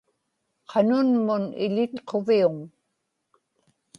qanunmun iḷitquviuŋ